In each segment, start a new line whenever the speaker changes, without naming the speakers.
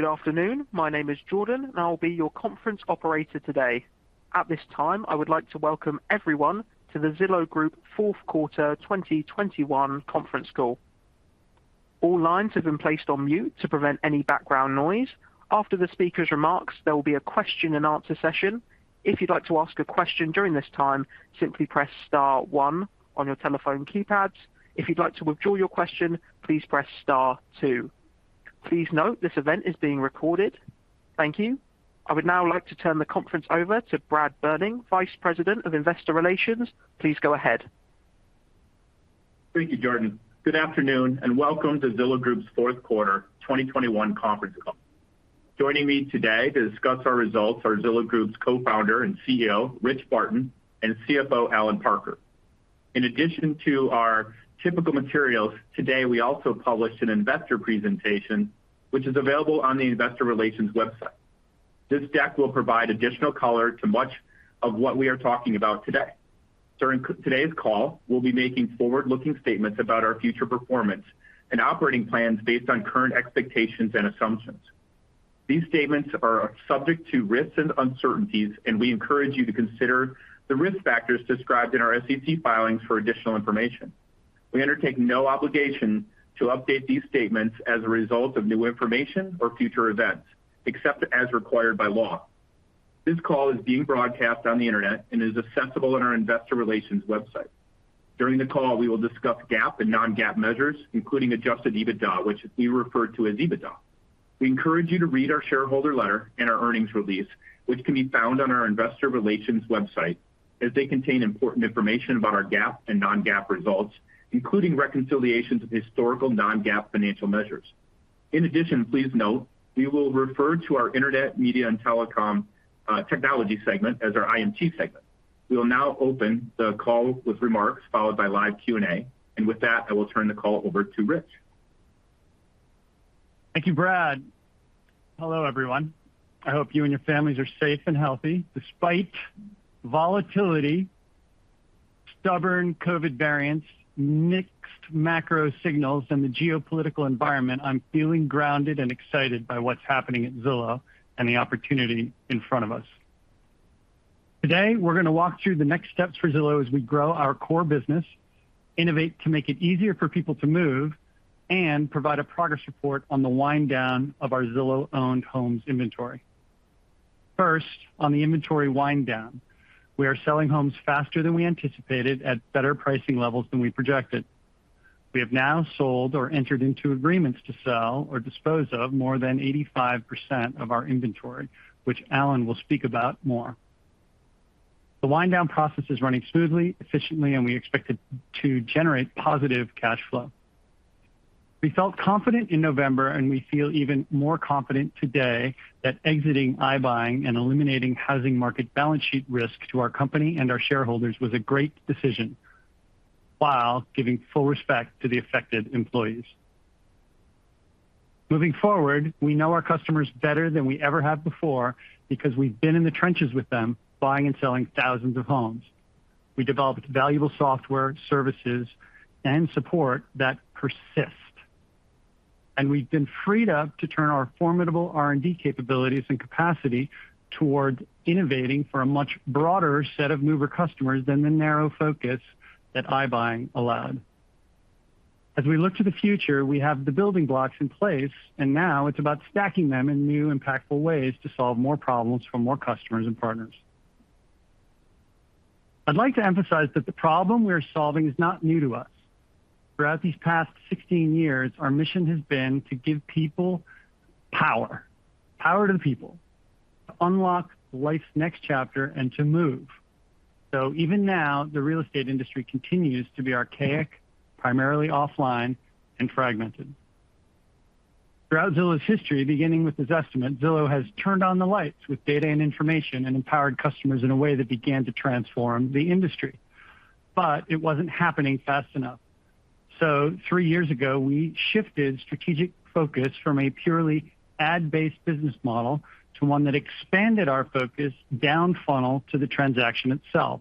Good afternoon. My name is Jordan, and I'll be your conference operator today. At this time, I would like to welcome everyone to the Zillow Group Fourth Quarter 2021 conference call. All lines have been placed on mute to prevent any background noise. After the speaker's remarks, there will be a question and answer session. If you'd like to ask a question during this time, simply press star one on your telephone keypads. If you'd like to withdraw your question, please press star two. Please note this event is being recorded. Thank you. I would now like to turn the conference over to Brad Berning, Vice President of Investor Relations. Please go ahead.
Thank you, Jordan. Good Afternoon, and welcome to Zillow Group's fourth quarter 2021 conference call. Joining me today to discuss our results are Zillow Group's Co-founder and CEO, Rich Barton, and CFO, Allen Parker. In addition to our typical materials, today, we also published an investor presentation which is available on the investor relations website. This deck will provide additional color to much of what we are talking about today. During today's call, we'll be making forward-looking statements about our future performance and operating plans based on current expectations and assumptions. These statements are subject to risks and uncertainties, and we encourage you to consider the risk factors described in our SEC filings for additional information. We undertake no obligation to update these statements as a result of new information or future events, except as required by law. This call is being broadcast on the internet and is accessible on our investor relations website. During the call, we will discuss GAAP and non-GAAP measures, including adjusted EBITDA, which we refer to as EBITDA. We encourage you to read our shareholder letter and our earnings release, which can be found on our investor relations website, as they contain important information about our GAAP and non-GAAP results, including reconciliations of historical non-GAAP financial measures. In addition, please note, we will refer to our Internet, Media, and Technology segment as our IMT segment. We will now open the call with remarks followed by live Q&A. With that, I will turn the call over to Rich.
Thank you, Brad. Hello, everyone. I hope you and your families are safe and healthy. Despite volatility, stubborn COVID variants, mixed macro signals, and the geopolitical environment, I'm feeling grounded and excited by what's happening at Zillow and the opportunity in front of us. Today, we're gonna walk through the next steps for Zillow as we grow our core business, innovate to make it easier for people to move, and provide a progress report on the wind down of our Zillow-owned homes inventory. First, on the inventory wind down, we are selling homes faster than we anticipated at better pricing levels than we projected. We have now sold or entered into agreements to sell or dispose of more than 85% of our inventory, which Allen will speak about more. The wind down process is running smoothly, efficiently, and we expect it to generate positive cash flow. We felt confident in November, and we feel even more confident today that exiting iBuying and eliminating housing market balance sheet risk to our company and our shareholders was a great decision, while giving full respect to the affected employees. Moving forward, we know our customers better than we ever have before because we've been in the trenches with them, buying and selling thousands of homes. We developed valuable software, services, and support that persist. We've been freed up to turn our formidable R&D capabilities and capacity toward innovating for a much broader set of mover customers than the narrow focus that iBuying allowed. As we look to the future, we have the building blocks in place, and now it's about stacking them in new, impactful ways to solve more problems for more customers and partners. I'd like to emphasize that the problem we are solving is not new to us. Throughout these past 16 years, our mission has been to give people power to the people, to unlock life's next chapter and to move. Even now, the real estate industry continues to be archaic, primarily offline, and fragmented. Throughout Zillow's history, beginning with Zestimate, Zillow has turned on the lights with data and information and empowered customers in a way that began to transform the industry. It wasn't happening fast enough. Three years ago, we shifted strategic focus from a purely ad-based business model to one that expanded our focus down funnel to the transaction itself.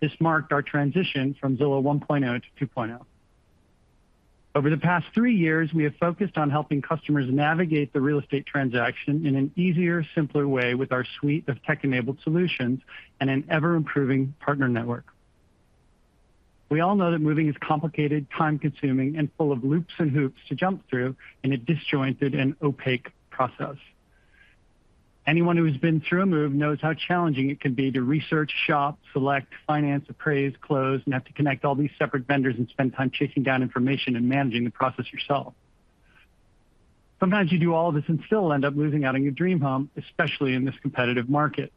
This marked our transition from Zillow 1.0 to 2.0. Over the past three years, we have focused on helping customers navigate the real estate transaction in an easier, simpler way with our suite of tech-enabled solutions and an ever-improving partner network. We all know that moving is complicated, time-consuming, and full of loops and hoops to jump through in a disjointed and opaque process. Anyone who has been through a move knows how challenging it can be to research, shop, select, finance, appraise, close, and have to connect all these separate vendors and spend time chasing down information and managing the process yourself. Sometimes you do all of this and still end up losing out on your dream home, especially in this competitive market.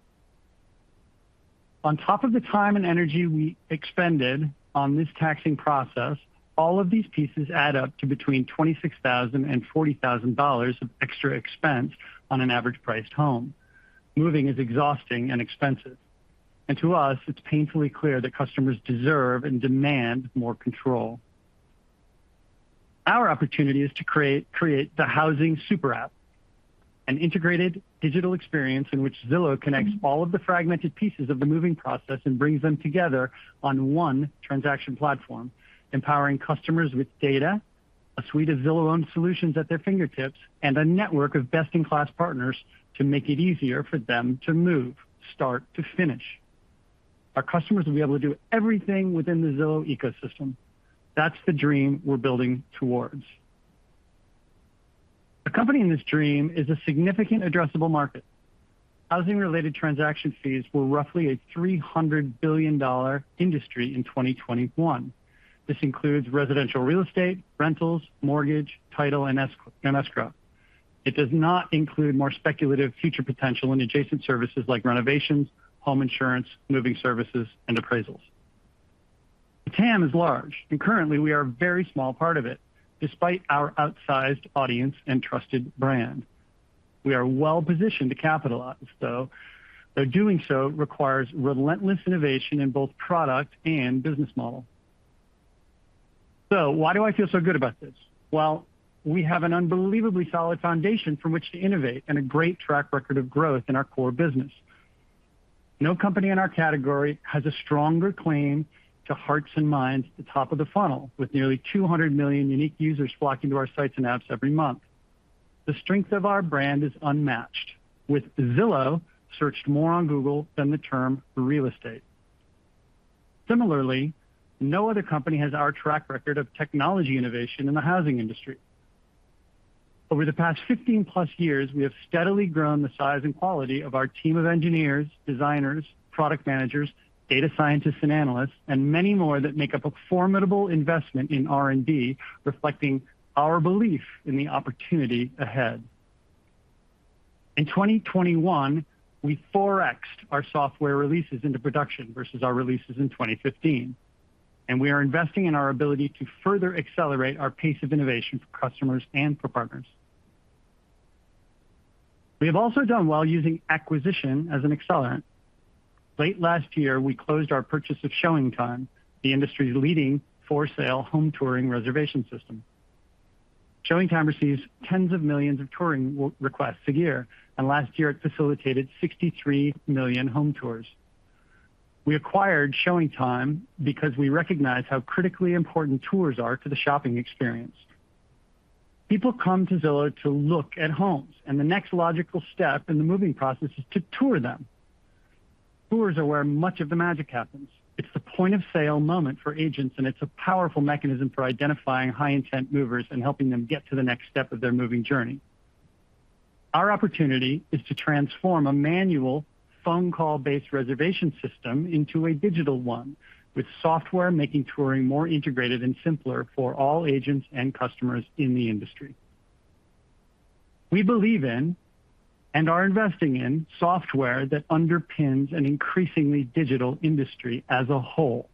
On top of the time and energy we expended on this taxing process, all of these pieces add up to between $26,000 and $40,000 of extra expense on an average-priced home. Moving is exhausting and expensive. To us, it's painfully clear that customers deserve and demand more control. Our opportunity is to create the housing super app. An integrated digital experience in which Zillow connects all of the fragmented pieces of the moving process and brings them together on one transaction platform, empowering customers with data, a suite of Zillow-owned solutions at their fingertips, and a network of best-in-class partners to make it easier for them to move start to finish. Our customers will be able to do everything within the Zillow ecosystem. That's the dream we're building towards. Accompanying this dream is a significant addressable market. Housing-related transaction fees were roughly a $300 billion industry in 2021. This includes residential real estate, rentals, mortgage, title, and escrow. It does not include more speculative future potential in adjacent services like renovations, home insurance, moving services, and appraisals. The TAM is large, and currently we are a very small part of it, despite our outsized audience and trusted brand. We are well-positioned to capitalize, though. Though doing so requires relentless innovation in both product and business model. Why do I feel so good about this? Well, we have an unbelievably solid foundation from which to innovate and a great track record of growth in our core business. No company in our category has a stronger claim to hearts and minds at the top of the funnel, with nearly 200 million unique users flocking to our sites and apps every month. The strength of our brand is unmatched, with "Zillow" searched more on Google than the term "real estate." Similarly, no other company has our track record of technology innovation in the housing industry. Over the past 15+ years, we have steadily grown the size and quality of our team of engineers, designers, product managers, data scientists and analysts, and many more that make up a formidable investment in R&D, reflecting our belief in the opportunity ahead. In 2021, we 4X'd our software releases into production versus our releases in 2015, and we are investing in our ability to further accelerate our pace of innovation for customers and for partners. We have also done well using acquisition as an accelerant. Late last year, we closed our purchase of ShowingTime, the industry's leading for-sale home touring reservation system. ShowingTime receives tens of millions of touring requests a year, and last year it facilitated 63 million home tours. We acquired ShowingTime because we recognize how critically important tours are to the shopping experience. People come to Zillow to look at homes, and the next logical step in the moving process is to tour them. Tours are where much of the magic happens. It's the point-of-sale moment for agents, and it's a powerful mechanism for identifying high-intent movers and helping them get to the next step of their moving journey. Our opportunity is to transform a manual phone call-based reservation system into a digital one, with software making touring more integrated and simpler for all agents and customers in the industry. We believe in and are investing in software that underpins an increasingly digital industry as a whole,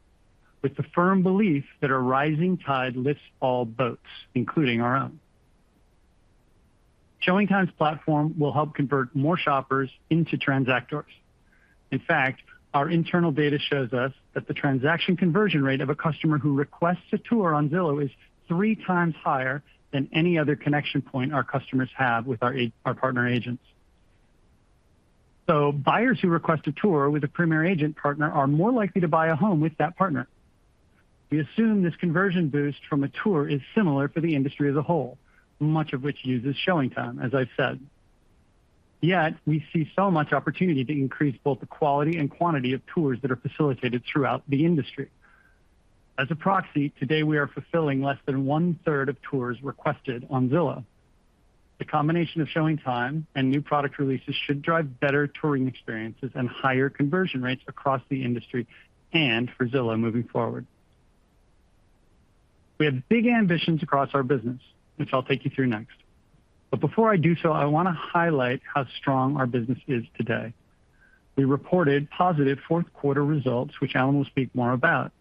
with the firm belief that a rising tide lifts all boats, including our own. ShowingTime's platform will help convert more shoppers into transactors. In fact, our internal data shows us that the transaction conversion rate of a customer who requests a tour on Zillow is three times higher than any other connection point our customers have with our partner agents. Buyers who request a tour with a Premier Agent partner are more likely to buy a home with that partner. We assume this conversion boost from a tour is similar for the industry as a whole, much of which uses ShowingTime, as I've said. Yet we see so much opportunity to increase both the quality and quantity of tours that are facilitated throughout the industry. As a proxy, today we are fulfilling less than one-third of tours requested on Zillow. The combination of ShowingTime and new product releases should drive better touring experiences and higher conversion rates across the industry and for Zillow moving forward. We have big ambitions across our business, which I'll take you through next. Before I do so, I wanna highlight how strong our business is today. We reported positive fourth quarter results, which Allen will speak more about.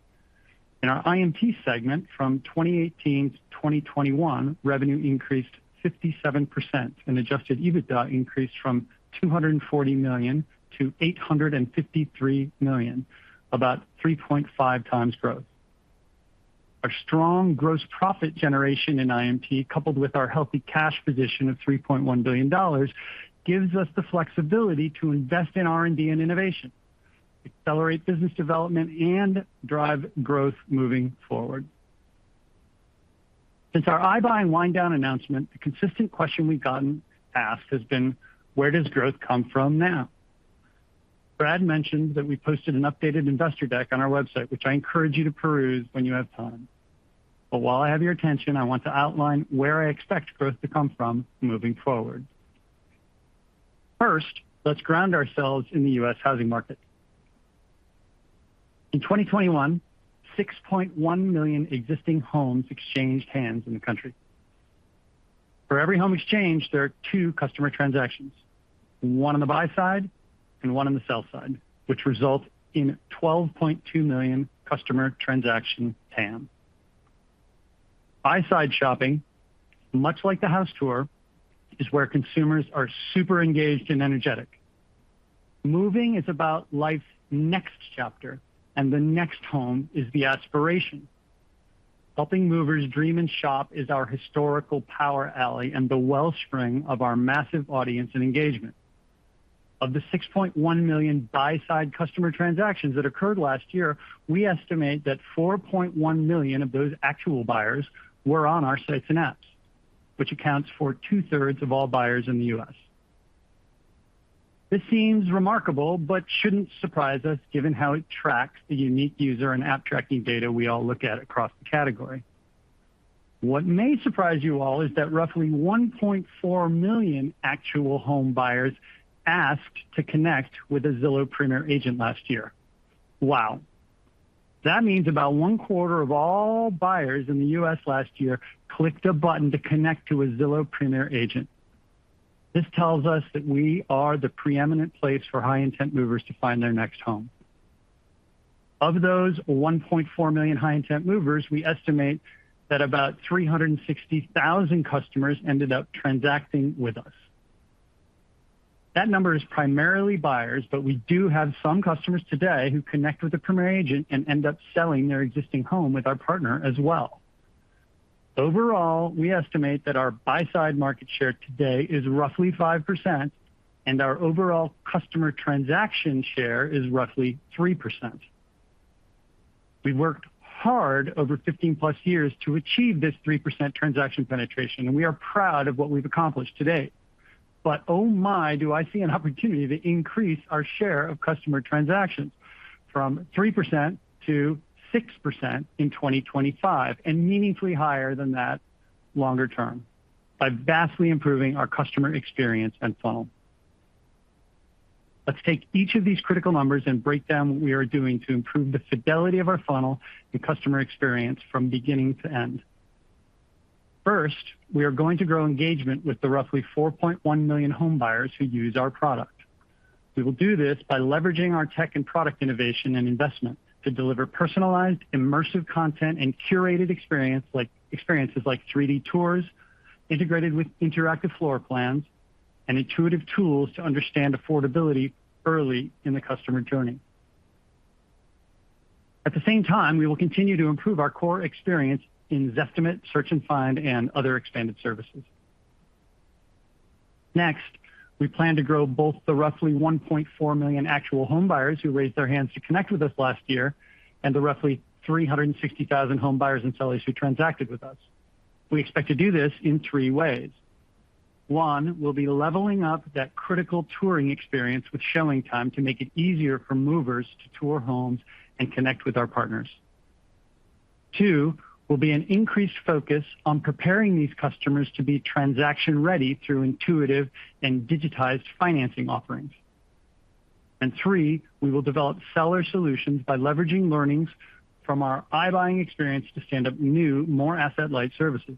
In our IMT segment from 2018 to 2021, revenue increased 57% and adjusted EBITDA increased from $240 million to $853 million, about 3.5x growth. Our strong gross profit generation in IMT, coupled with our healthy cash position of $3.1 billion, gives us the flexibility to invest in R&D and innovation, accelerate business development, and drive growth moving forward. Since our iBuying wind down announcement, the consistent question we've gotten asked has been, where does growth come from now? Brad mentioned that we posted an updated investor deck on our website, which I encourage you to peruse when you have time. While I have your attention, I want to outline where I expect growth to come from moving forward. First, let's ground ourselves in the U.S. housing market. In 2021, 6.1 million existing homes exchanged hands in the country. For every home exchanged, there are two customer transactions, one on the buy side and one on the sell side, which results in a 12.2 million customer transaction TAM. Buy-side shopping, much like the house tour, is where consumers are super engaged and energetic. Moving is about life's next chapter, and the next home is the aspiration. Helping movers dream and shop is our historical power alley and the wellspring of our massive audience and engagement. Of the 6.1 million buy-side customer transactions that occurred last year, we estimate that 4.1 million of those actual buyers were on our sites and apps, which accounts for 2/3 of all buyers in the U.S. This seems remarkable, but shouldn't surprise us given how it tracks the unique user and app tracking data we all look at across the category. What may surprise you all is that roughly 1.4 million actual home buyers asked to connect with a Zillow Premier Agent last year. Wow. That means about one-quarter of all buyers in the U.S. last year clicked a button to connect to a Zillow Premier Agent. This tells us that we are the preeminent place for high-intent movers to find their next home. Of those 1.4 million high-intent movers, we estimate that about 360,000 customers ended up transacting with us. That number is primarily buyers, but we do have some customers today who connect with a Premier Agent and end up selling their existing home with our partner as well. Overall, we estimate that our buy-side market share today is roughly 5%, and our overall customer transaction share is roughly 3%. We've worked hard over 15+ years to achieve this 3% transaction penetration, and we are proud of what we've accomplished today. Oh my, do I see an opportunity to increase our share of customer transactions from 3% to 6% in 2025 and meaningfully higher than that longer term by vastly improving our customer experience and funnel. Let's take each of these critical numbers and break down what we are doing to improve the fidelity of our funnel and customer experience from beginning to end. First, we are going to grow engagement with the roughly 4.1 million home buyers who use our product. We will do this by leveraging our tech and product innovation and investment to deliver personalized, immersive content and curated experiences like 3D tours integrated with interactive floor plans and intuitive tools to understand affordability early in the customer journey. At the same time, we will continue to improve our core experience in Zestimate, Search and Find, and other expanded services. Next, we plan to grow both the roughly 1.4 million actual home buyers who raised their hands to connect with us last year and the roughly 360,000 home buyers and sellers who transacted with us. We expect to do this in three ways. One, we'll be leveling up that critical touring experience with ShowingTime to make it easier for movers to tour homes and connect with our partners. Two, will be an increased focus on preparing these customers to be transaction-ready through intuitive and digitized financing offerings. Three, we will develop seller solutions by leveraging learnings from our iBuying experience to stand up new, more asset-light services.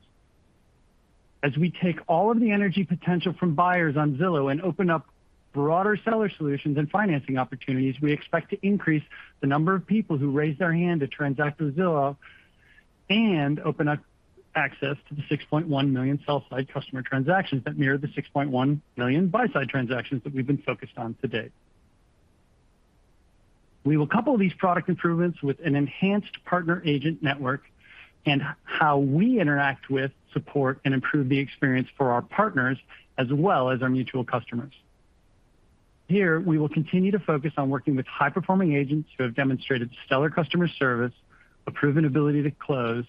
As we take all of the energy potential from buyers on Zillow and open up broader seller solutions and financing opportunities, we expect to increase the number of people who raise their hand to transact with Zillow and open up access to the 6.1 million sell-side customer transactions that mirror the 6.1 million buy-side transactions that we've been focused on to date. We will couple these product improvements with an enhanced partner agent network and how we interact with, support, and improve the experience for our partners as well as our mutual customers. Here, we will continue to focus on working with high-performing agents who have demonstrated stellar customer service, a proven ability to close,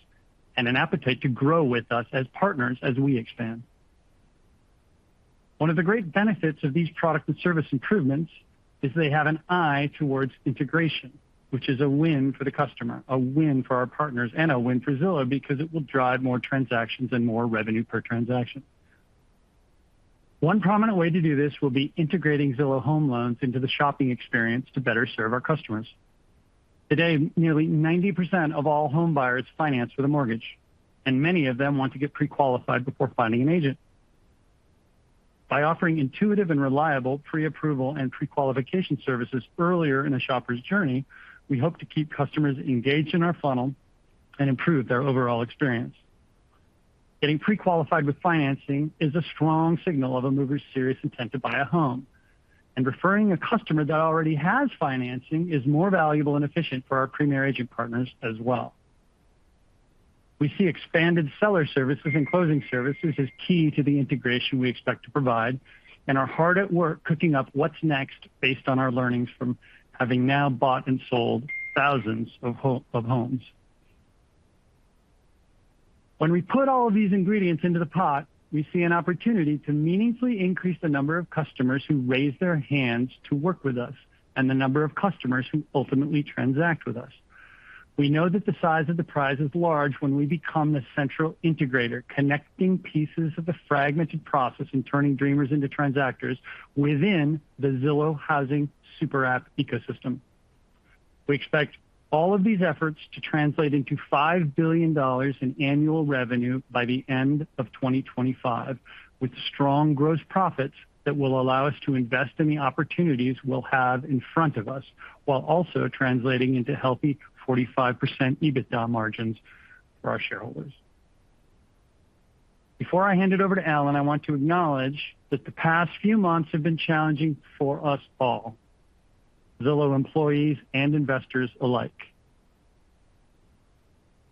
and an appetite to grow with us as partners as we expand. One of the great benefits of these product and service improvements is they have an eye towards integration, which is a win for the customer, a win for our partners, and a win for Zillow because it will drive more transactions and more revenue per transaction. One prominent way to do this will be integrating Zillow Home Loans into the shopping experience to better serve our customers. Today, nearly 90% of all home buyers finance with a mortgage, and many of them want to get pre-qualified before finding an agent. By offering intuitive and reliable pre-approval and pre-qualification services earlier in a shopper's journey, we hope to keep customers engaged in our funnel and improve their overall experience. Getting pre-qualified with financing is a strong signal of a mover's serious intent to buy a home, and referring a customer that already has financing is more valuable and efficient for our Premier Agent partners as well. We see expanded seller services and closing services as key to the integration we expect to provide and are hard at work cooking up what's next based on our learnings from having now bought and sold thousands of homes. When we put all of these ingredients into the pot, we see an opportunity to meaningfully increase the number of customers who raise their hands to work with us and the number of customers who ultimately transact with us. We know that the size of the prize is large when we become the central integrator, connecting pieces of the fragmented process and turning dreamers into transactors within the Zillow housing super app ecosystem. We expect all of these efforts to translate into $5 billion in annual revenue by the end of 2025, with strong gross profits that will allow us to invest in the opportunities we'll have in front of us, while also translating into healthy 45% EBITDA margins for our shareholders. Before I hand it over to Allen, I want to acknowledge that the past few months have been challenging for us all, Zillow employees and investors alike.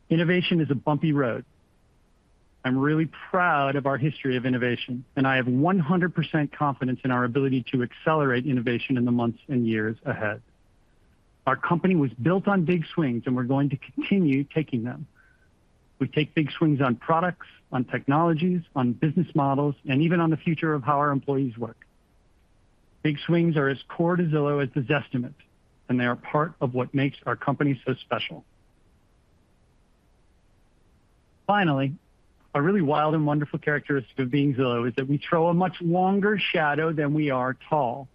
Innovation is a bumpy road. I'm really proud of our history of innovation, and I have 100% confidence in our ability to accelerate innovation in the months and years ahead. Our company was built on big swings, and we're going to continue taking them. We take big swings on products, on technologies, on business models, and even on the future of how our employees work. Big swings are as core to Zillow as the Zestimate, and they are part of what makes our company so special. Finally, a really wild and wonderful characteristic of being Zillow is that we throw a much longer shadow than we are tall.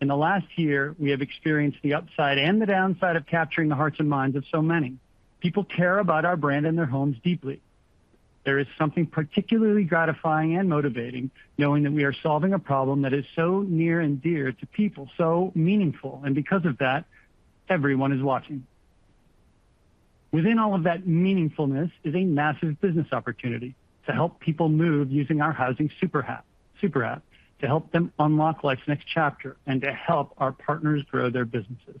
In the last year, we have experienced the upside and the downside of capturing the hearts and minds of so many. People care about our brand and their homes deeply. There is something particularly gratifying and motivating knowing that we are solving a problem that is so near and dear to people, so meaningful, and because of that, everyone is watching. Within all of that meaningfulness is a massive business opportunity to help people move using our housing super app, to help them unlock life's next chapter and to help our partners grow their businesses.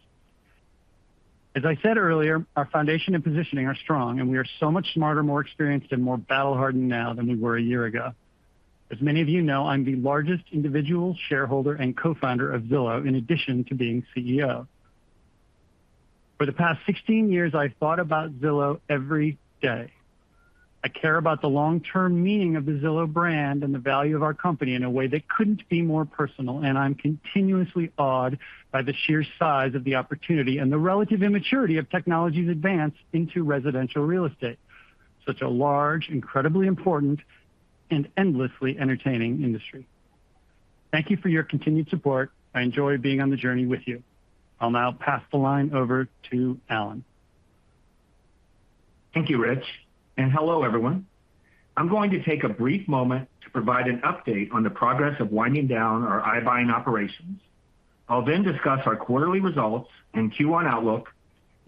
As I said earlier, our foundation and positioning are strong, and we are so much smarter, more experienced, and more battle-hardened now than we were a year ago. As many of you know, I'm the largest individual shareholder and co-founder of Zillow, in addition to being CEO. For the past 16 years, I thought about Zillow every day. I care about the long-term meaning of the Zillow brand and the value of our company in a way that couldn't be more personal, and I'm continuously awed by the sheer size of the opportunity and the relative immaturity of technology's advance into residential real estate, such a large, incredibly important, and endlessly entertaining industry. Thank you for your continued support. I enjoy being on the journey with you. I'll now pass the line over to Allen.
Thank you, Rich. Hello, everyone. I'm going to take a brief moment to provide an update on the progress of winding down our iBuying operations. I'll then discuss our quarterly results and Q1 outlook,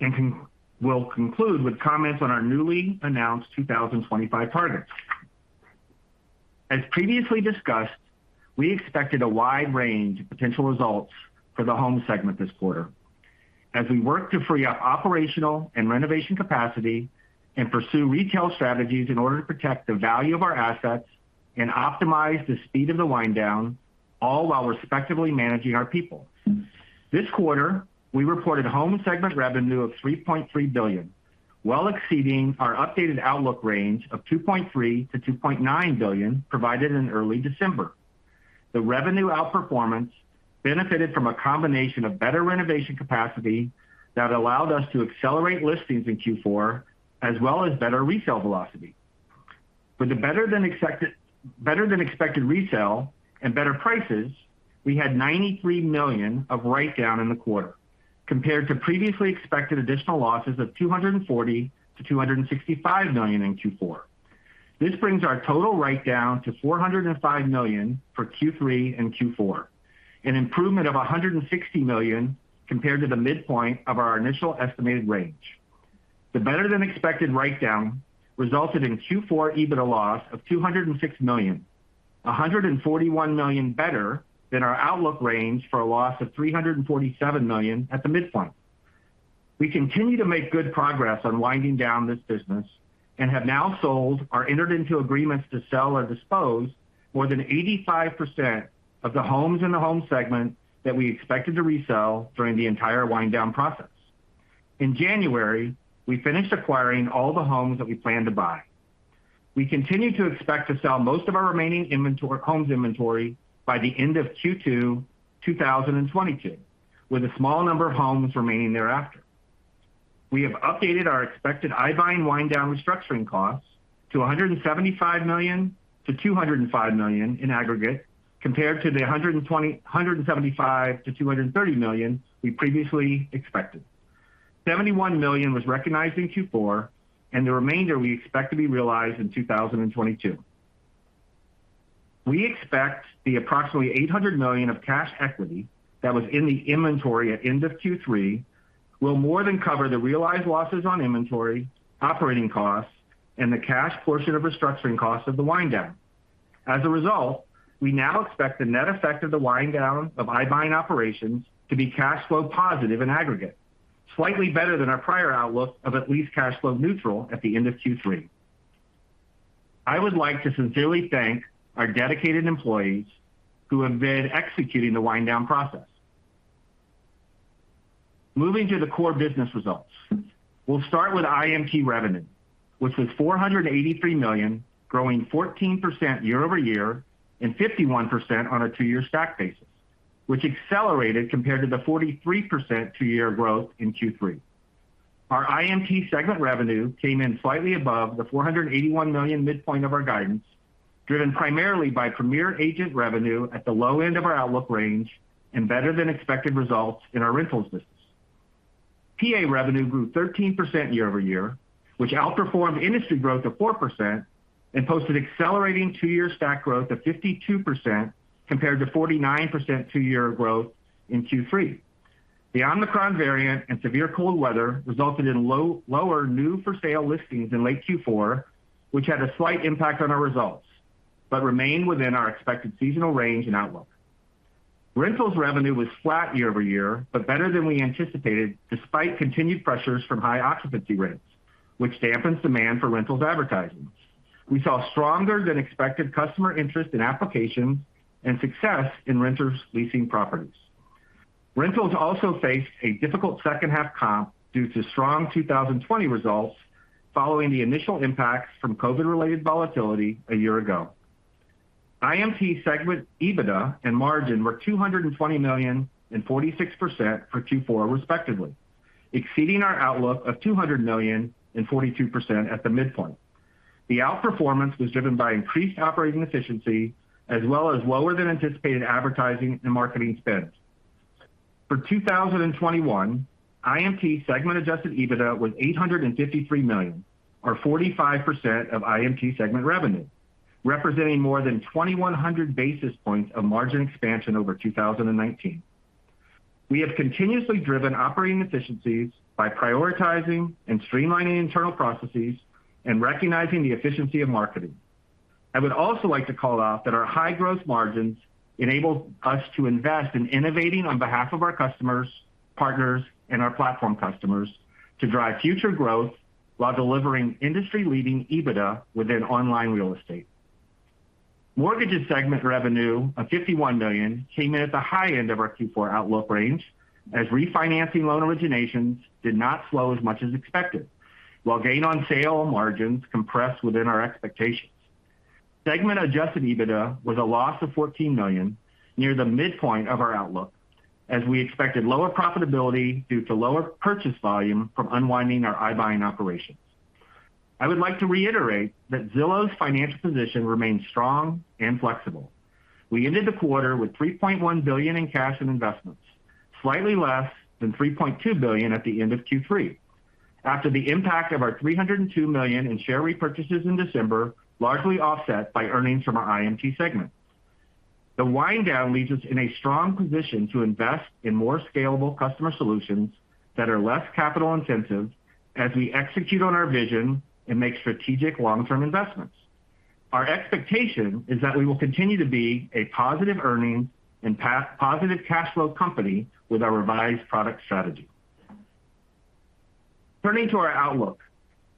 and we'll conclude with comments on our newly announced 2025 targets. As previously discussed, we expected a wide range of potential results for the home segment this quarter. As we work to free up operational and renovation capacity and pursue retail strategies in order to protect the value of our assets and optimize the speed of the wind down, all while respectfully managing our people. This quarter, we reported home segment revenue of $3.3 billion, well exceeding our updated outlook range of $2.3 billion-$2.9 billion provided in early December. The revenue outperformance benefited from a combination of better renovation capacity that allowed us to accelerate listings in Q4, as well as better resale velocity. With the better-than-expected resale and better prices, we had $93 million of write-down in the quarter, compared to previously expected additional losses of $240 million-$265 million in Q4. This brings our total write-down to $405 million for Q3 and Q4, an improvement of $160 million compared to the midpoint of our initial estimated range. The better-than-expected write-down resulted in Q4 EBITDA loss of $206 million, $141 million better than our outlook range for a loss of $347 million at the midpoint. We continue to make good progress on winding down this business and have now sold or entered into agreements to sell or dispose more than 85% of the homes in the home segment that we expected to resell during the entire wind down process. In January, we finished acquiring all the homes that we planned to buy. We continue to expect to sell most of our remaining inventory, homes inventory by the end of Q2 2022, with a small number of homes remaining thereafter. We have updated our expected iBuying wind down restructuring costs to $175 million-$205 million in aggregate, compared to the $175 million-$230 million we previously expected. $71 million was recognized in Q4, and the remainder we expect to be realized in 2022. We expect the approximately $800 million of cash equity that was in the inventory at end of Q3 will more than cover the realized losses on inventory, operating costs, and the cash portion of restructuring costs of the wind down. As a result, we now expect the net effect of the wind down of iBuying operations to be cash flow positive in aggregate, slightly better than our prior outlook of at least cash flow neutral at the end of Q3. I would like to sincerely thank our dedicated employees who have been executing the wind down process. Moving to the core business results. We'll start with IMT revenue, which was $483 million, growing 14% year-over-year and 51% on a two-year stack basis, which accelerated compared to the 43% two-year growth in Q3. Our IMT segment revenue came in slightly above the $481 million midpoint of our guidance, driven primarily by Premier Agent revenue at the low end of our outlook range and better than expected results in our rentals business. PA revenue grew 13% year-over-year, which outperformed industry growth of 4% and posted accelerating two-year stack growth of 52% compared to 49% two-year growth in Q3. The Omicron variant and severe cold weather resulted in lower new for-sale listings in late Q4, which had a slight impact on our results, but remained within our expected seasonal range and outlook. Rentals revenue was flat year-over-year, but better than we anticipated despite continued pressures from high occupancy rates, which dampens demand for rentals advertising. We saw stronger than expected customer interest in application and success in renters leasing properties. Rentals also faced a difficult second half comp due to strong 2020 results following the initial impacts from COVID-related volatility a year ago. IMT segment EBITDA and margin were $220 million and 46% for Q4 respectively, exceeding our outlook of $200 million and 42% at the midpoint. The outperformance was driven by increased operating efficiency as well as lower than anticipated advertising and marketing spend. For 2021, IMT segment adjusted EBITDA was $853 million or 45% of IMT segment revenue, representing more than 2,100 basis points of margin expansion over 2019. We have continuously driven operating efficiencies by prioritizing and streamlining internal processes and recognizing the efficiency of marketing. I would also like to call out that our high growth margins enable us to invest in innovating on behalf of our customers, partners, and our platform customers to drive future growth while delivering industry-leading EBITDA within online real estate. Mortgages segment revenue of $51 million came in at the high end of our Q4 outlook range as refinancing loan originations did not slow as much as expected, while gain on sale margins compressed within our expectations. Segment adjusted EBITDA was a loss of $14 million, near the midpoint of our outlook, as we expected lower profitability due to lower purchase volume from unwinding our iBuying operations. I would like to reiterate that Zillow's financial position remains strong and flexible. We ended the quarter with $3.1 billion in cash and investments, slightly less than $3.2 billion at the end of Q3. After the impact of our $302 million in share repurchases in December, largely offset by earnings from our IMT segment. The wind down leaves us in a strong position to invest in more scalable customer solutions that are less capital-intensive as we execute on our vision and make strategic long-term investments. Our expectation is that we will continue to be a positive earning and positive cash flow company with our revised product strategy. Turning to our outlook.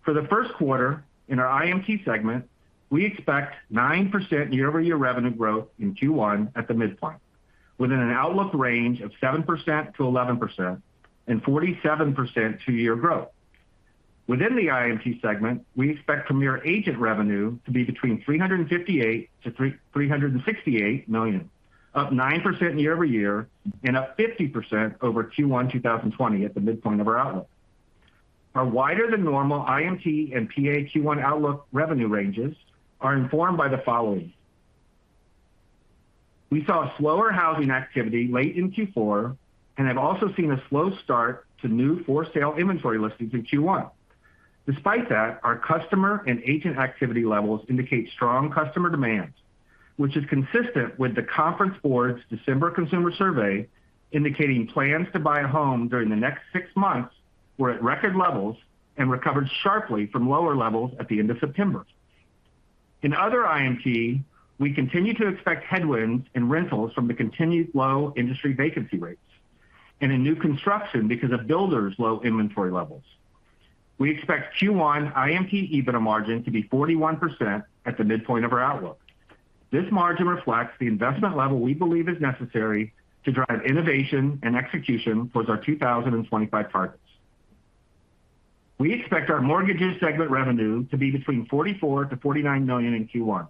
For the first quarter in our IMT segment, we expect 9% year-over-year revenue growth in Q1 at the midpoint, within an outlook range of 7%-11% and 47% two-year growth. Within the IMT segment, we expect Premier Agent revenue to be between $358 million-$368 million, up 9% year-over-year and up 50% over Q1 2020 at the midpoint of our outlook. Our wider than normal IMT and PA Q1 outlook revenue ranges are informed by the following. We saw slower housing activity late in Q4 and have also seen a slow start to new for sale inventory listings in Q1. Despite that, our customer and agent activity levels indicate strong customer demand, which is consistent with the Conference Board's December Consumer Survey, indicating plans to buy a home during the next six months were at record levels and recovered sharply from lower levels at the end of September. In other IMT, we continue to expect headwinds in rentals from the continued low industry vacancy rates and in new construction because of builders' low inventory levels. We expect Q1 IMT EBITDA margin to be 41% at the midpoint of our outlook. This margin reflects the investment level we believe is necessary to drive innovation and execution towards our 2025 targets. We expect our mortgages segment revenue to be between $44 million-$49 million in Q1,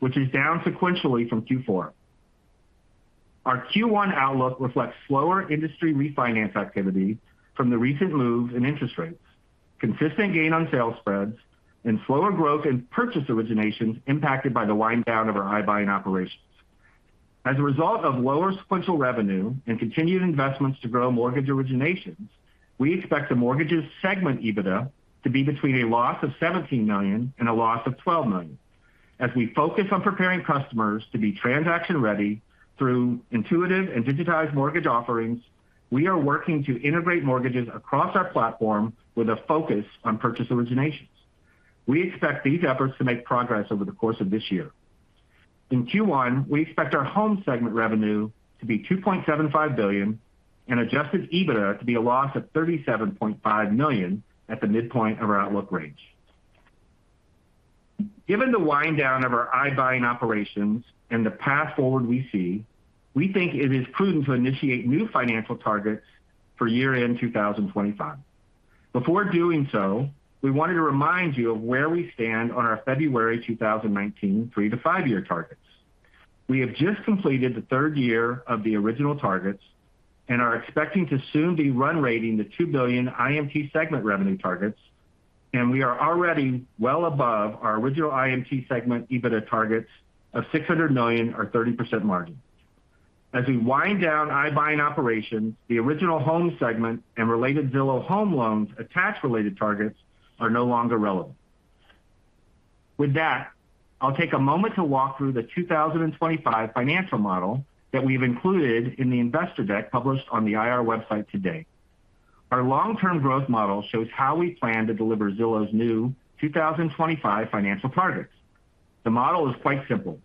which is down sequentially from Q4. Our Q1 outlook reflects slower industry refinance activity from the recent moves in interest rates, consistent gain on sales spreads, and slower growth in purchase originations impacted by the wind down of our iBuying operations. As a result of lower sequential revenue and continued investments to grow mortgage originations, we expect the mortgages segment EBITDA to be between a loss of $17 million and a loss of $12 million. As we focus on preparing customers to be transaction ready through intuitive and digitized mortgage offerings, we are working to integrate mortgages across our platform with a focus on purchase originations. We expect these efforts to make progress over the course of this year. In Q1, we expect our home segment revenue to be $2.75 billion and adjusted EBITDA to be a loss of $37.5 million at the midpoint of our outlook range. Given the wind down of our iBuying operations and the path forward we see, we think it is prudent to initiate new financial targets for year-end 2025. Before doing so, we wanted to remind you of where we stand on our February 2019 3- to 5-year targets. We have just completed the third year of the original targets and are expecting to soon be run-rate the $2 billion IMT segment revenue targets, and we are already well above our original IMT segment EBITDA targets of $600 million or 30% margin. As we wind down iBuying operations, the original home segment and related Zillow Home Loans attach-rate-related targets are no longer relevant. With that, I'll take a moment to walk through the 2025 financial model that we've included in the investor deck published on the IR website today. Our long-term growth model shows how we plan to deliver Zillow's new 2025 financial targets. The model is quite simple.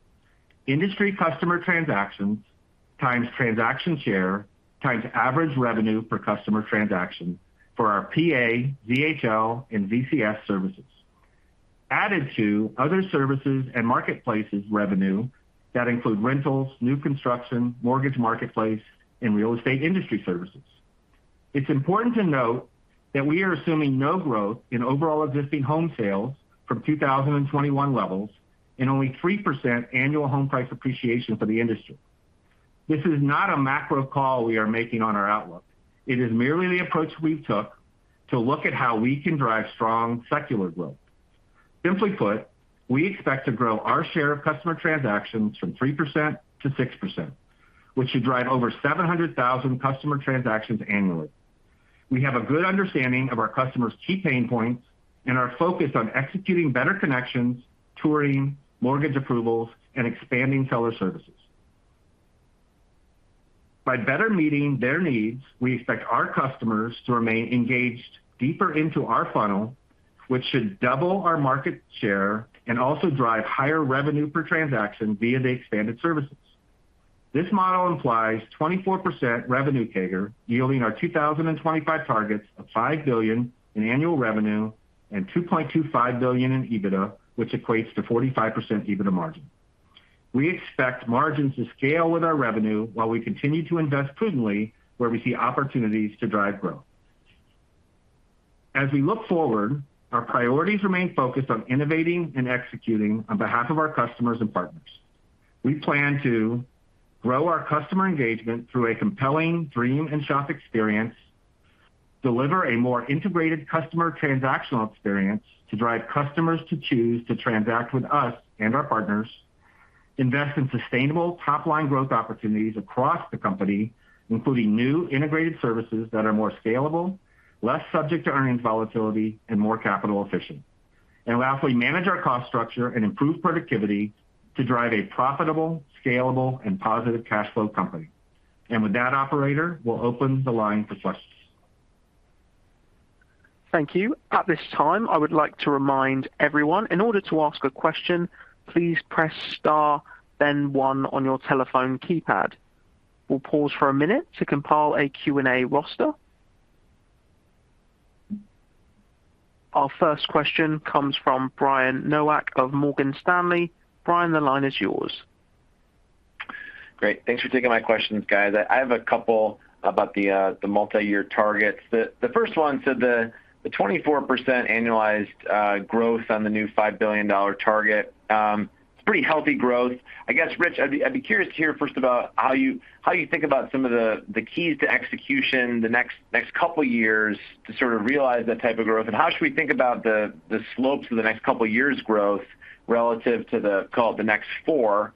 Industry customer transactions times transaction share, times average revenue per customer transaction for our PA, ZHL, and ZCS services. Added to other services and marketplaces revenue that include rentals, new construction, mortgage marketplace, and real estate industry services. It's important to note that we are assuming no growth in overall existing home sales from 2021 levels and only 3% annual home price appreciation for the industry. This is not a macro call we are making on our outlook. It is merely the approach we took to look at how we can drive strong secular growth. Simply put, we expect to grow our share of customer transactions from 3% to 6%, which should drive over 700,000 customer transactions annually. We have a good understanding of our customers' key pain points and are focused on executing better connections, touring, mortgage approvals, and expanding seller services. By better meeting their needs, we expect our customers to remain engaged deeper into our funnel, which should double our market share and also drive higher revenue per transaction via the expanded services. This model implies 24% revenue CAGR, yielding our 2025 targets of $5 billion in annual revenue and $2.25 billion in EBITDA, which equates to 45% EBITDA margin. We expect margins to scale with our revenue while we continue to invest prudently where we see opportunities to drive growth. As we look forward, our priorities remain focused on innovating and executing on behalf of our customers and partners. We plan to grow our customer engagement through a compelling dream and shop experience, deliver a more integrated customer transactional experience to drive customers to choose to transact with us and our partners, invest in sustainable top-line growth opportunities across the company, including new integrated services that are more scalable, less subject to earnings volatility, and more capital efficient. Lastly, manage our cost structure and improve productivity to drive a profitable, scalable, and positive cash flow company. With that operator, we'll open the line for questions.
Thank you. At this time, I would like to remind everyone, in order to ask a question, please press star then one on your telephone keypad. We'll pause for a minute to compile a Q&A roster. Our first question comes from Brian Nowak of Morgan Stanley. Brian, the line is yours.
Great. Thanks for taking my questions, guys. I have a couple about the multi-year targets. The first one, so the 24% annualized growth on the new $5 billion target, it's pretty healthy growth. I guess, Rich, I'd be curious to hear first about how you think about some of the keys to execution the next couple of years to sort of realize that type of growth, and how should we think about the slopes of the next couple of years growth relative to the, call it, the next four.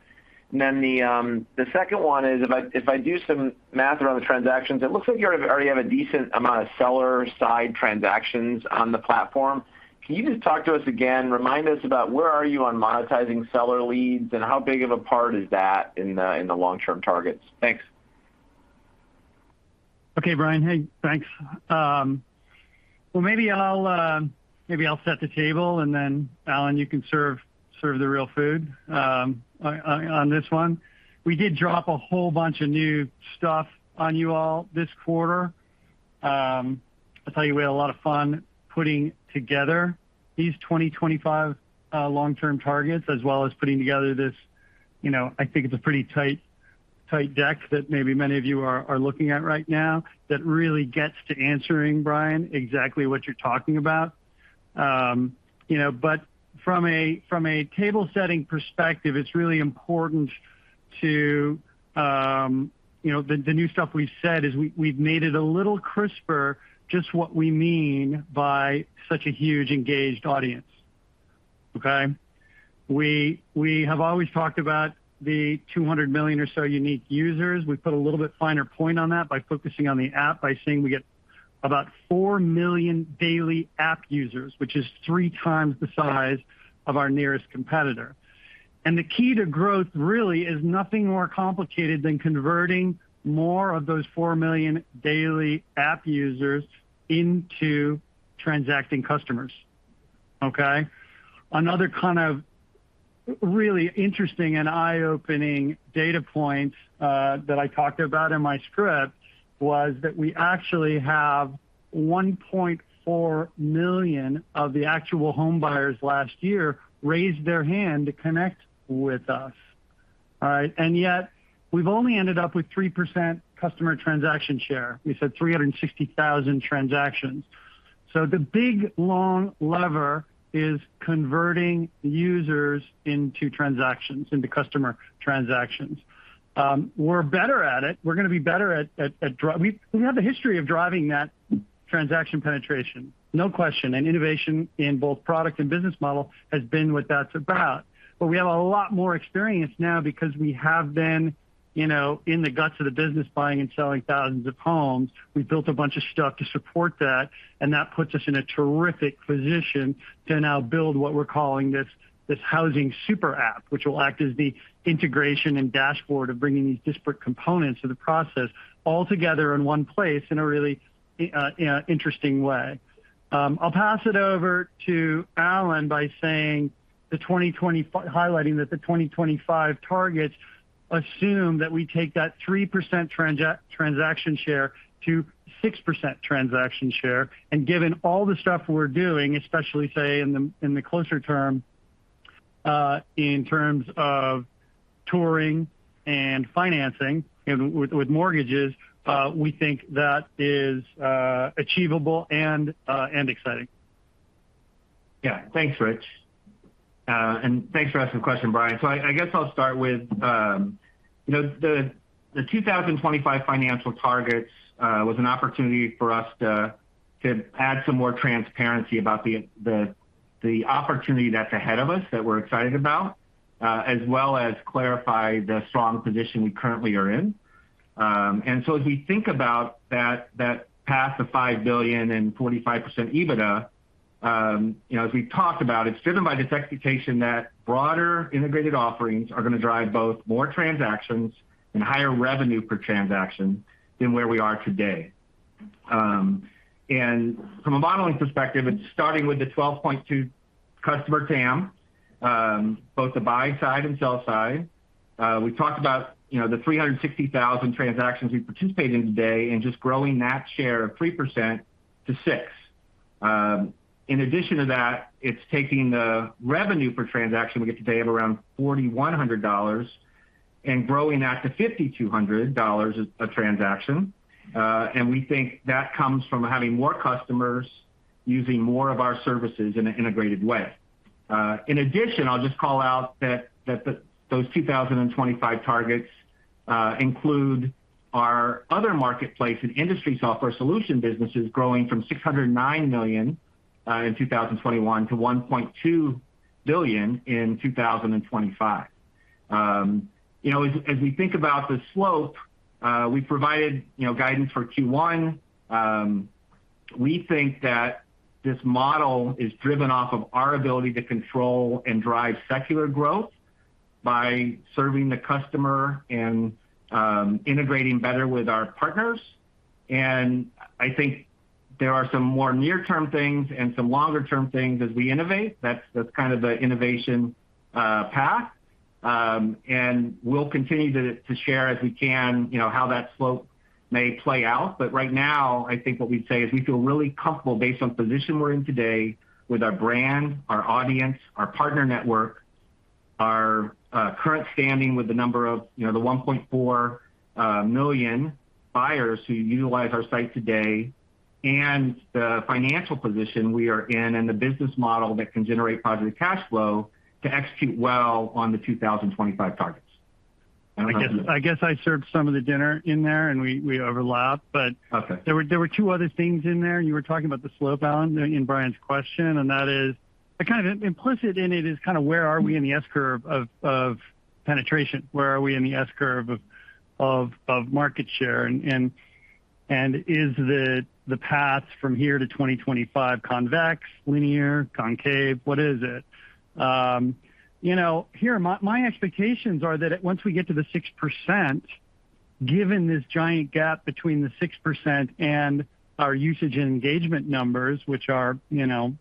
Then the second one is if I do some math around the transactions, it looks like you already have a decent amount of seller side transactions on the platform. Can you just talk to us again, remind us about where are you on monetizing seller leads, and how big of a part is that in the long-term targets? Thanks.
Okay, Brian. Hey, thanks. Well, maybe I'll set the table and then, Allen, you can serve the real food on this one. We did drop a whole bunch of new stuff on you all this quarter. I tell you, we had a lot of fun putting together these 2025 long-term targets, as well as putting together this, you know, I think it's a pretty tight deck that maybe many of you are looking at right now that really gets to answering, Brian, exactly what you're talking about. You know, from a table setting perspective, it's really important to, you know, the new stuff we said is we've made it a little crisper just what we mean by such a huge engaged audience. Okay? We have always talked about the 200 million or so unique users. We put a little bit finer point on that by focusing on the app, by saying we get about 4 million daily app users, which is 3 times the size of our nearest competitor. The key to growth really is nothing more complicated than converting more of those 4 million daily app users into transacting customers. Okay? Another kind of really interesting and eye-opening data point that I talked about in my script was that we actually have 1.4 million of the actual home buyers last year raise their hand to connect with us. All right. Yet we've only ended up with 3% customer transaction share. We said 360,000 transactions. The big long lever is converting users into transactions, into customer transactions. We're better at it. We have a history of driving that transaction penetration, no question. Innovation in both product and business model has been what that's about. We have a lot more experience now because we have been, you know, in the guts of the business, buying and selling thousands of homes. We've built a bunch of stuff to support that, and that puts us in a terrific position to now build what we're calling this housing super app, which will act as the integration and dashboard of bringing these disparate components of the process all together in one place in a really interesting way. I'll pass it over to Allen by saying the 2025 targets assume that we take that 3% transaction share to 6% transaction share. Given all the stuff we're doing, especially, say, in the closer term, in terms of touring and financing and with mortgages, we think that is achievable and exciting.
Yeah. Thanks, Rich. And thanks for asking the question, Brian. I guess I'll start with the 2025 financial targets was an opportunity for us to add some more transparency about the opportunity that's ahead of us that we're excited about as well as clarify the strong position we currently are in. As we think about that path to $5 billion and 45% EBITDA, as we've talked about, it's driven by this expectation that broader integrated offerings are gonna drive both more transactions and higher revenue per transaction than where we are today. From a modeling perspective, it's starting with the 12.2 customer TAM, both the buy side and sell side. We talked about, you know, the 360,000 transactions we participate in today and just growing that share of 3%-6%. In addition to that, it's taking the revenue per transaction we get today of around $4,100 and growing that to $5,200 a transaction. And we think that comes from having more customers using more of our services in an integrated way. In addition, I'll just call out that the 2025 targets include our other marketplace and industry software solution businesses growing from $609 million in 2021 to $1.2 billion in 2025. You know, as we think about the slope, we provided, you know, guidance for Q1. We think that this model is driven off of our ability to control and drive secular growth by serving the customer and integrating better with our partners. I think there are some more near-term things and some longer-term things as we innovate. That's kind of the innovation path. We'll continue to share as we can, you know, how that slope may play out. Right now, I think what we'd say is we feel really comfortable based on the position we're in today with our brand, our audience, our partner network, our current standing with the number of, you know, the 1.4 million buyers who utilize our site today, and the financial position we are in and the business model that can generate positive cash flow to execute well on the 2025 targets.
I guess I served some of the dinner in there, and we overlapped, but.
Okay.
There were two other things in there. You were talking about the slope, Allen, in Brian's question, and that is kind of implicit in it is kind of where are we in the S-curve of penetration? Where are we in the S-curve of market share? Is the path from here to 2025 convex, linear, concave? What is it? You know, here, my expectations are that once we get to the 6%, given this giant gap between the 6% and our usage and engagement numbers, which are, you know,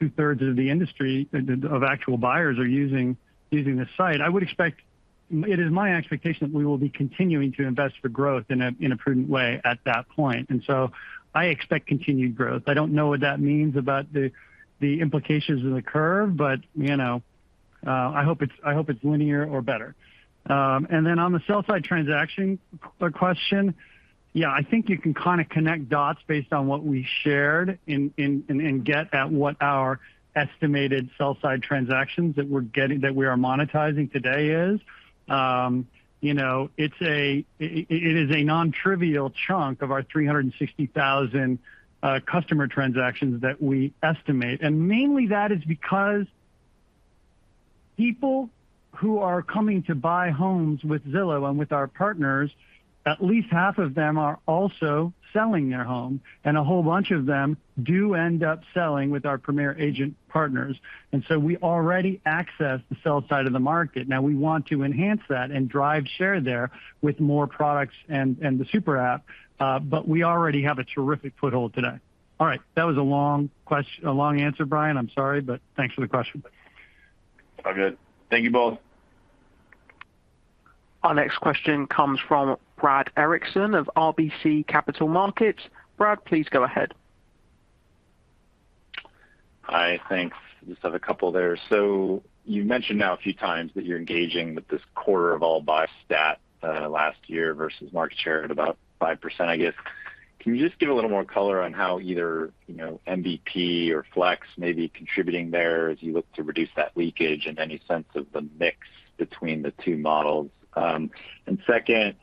two-thirds of the industry of actual buyers are using the site. It is my expectation that we will be continuing to invest for growth in a prudent way at that point. I expect continued growth. I don't know what that means about the implications of the curve, but you know, I hope it's linear or better. Then on the sell side transaction question, yeah, I think you can kinda connect dots based on what we shared and get at what our estimated sell side transactions that we're getting, that we are monetizing today is. You know, it is a nontrivial chunk of our 360,000 customer transactions that we estimate. Mainly that is because people who are coming to buy homes with Zillow and with our partners, at least half of them are also selling their home, and a whole bunch of them do end up selling with our Premier Agent partners. We already access the sell side of the market. Now we want to enhance that and drive share there with more products and the super app, but we already have a terrific foothold today. All right. That was a long answer, Brian. I'm sorry, but thanks for the question.
All good. Thank you both.
Our next question comes from Brad Erickson of RBC Capital Markets. Brad, please go ahead.
Hi, thanks. I just have a couple there. You mentioned a few times now that you're ending this quarter overall iBuying that last year versus market share at about 5%, I guess. Can you just give a little more color on how either MVP or Flex may be contributing there as you look to reduce that leakage and any sense of the mix between the two models? Second,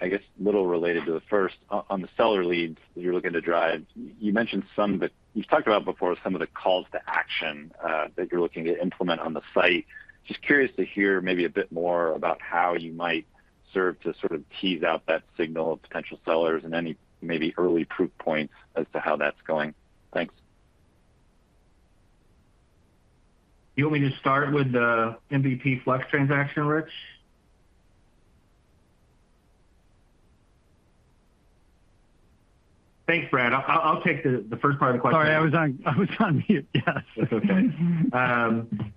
I guess a little related to the first, on the seller leads that you're looking to drive, you've talked about before some of the calls to action that you're looking to implement on the site. Just curious to hear maybe a bit more about how you might serve to sort of tease out that signal of potential sellers and any maybe early proof points as to how that's going. Thanks.
You want me to start with the MVP Flex transaction, Rich? Thanks, Brad. I'll take the first part of the question.
Sorry, I was on mute. Yes.
That's okay.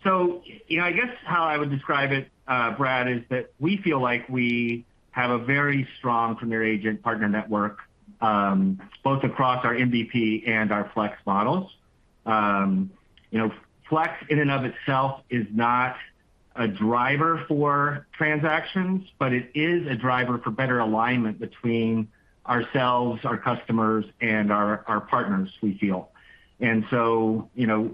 So, you know, I guess how I would describe it, Brad, is that we feel like we have a very strong primary agent partner network, both across our MVP and our Flex models. You know, Flex in and of itself is not a driver for transactions, but it is a driver for better alignment between ourselves, our customers, and our partners, we feel. You know,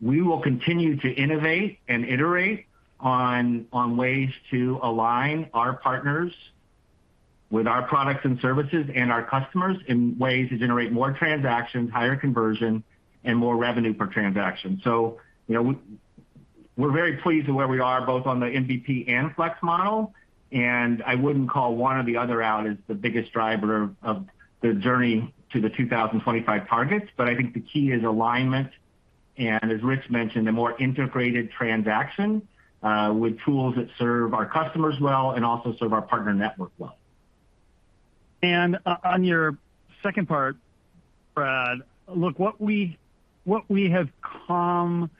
we will continue to innovate and iterate on ways to align our partners with our products and services and our customers in ways that generate more transactions, higher conversion, and more revenue per transaction. You know, we're very pleased with where we are both on the MVP and Flex model, and I wouldn't call one or the other out as the biggest driver of the journey to the 2025 targets. I think the key is alignment and, as Rich mentioned, a more integrated transaction with tools that serve our customers well and also serve our partner network well.
On your second part, Brad, look, what we have come